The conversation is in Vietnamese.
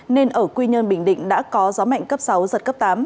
nên ở quy nhơn bình định đã có gió mạnh cấp sáu giật cấp tám